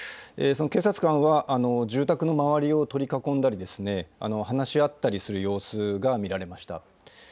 その警察官は、住宅の周りを取り囲んだり、話し合ったりする様子が見られました。